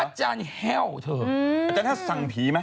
อาจารย์แห้วเถอะอาจารย์ถ้าสั่งผีไหม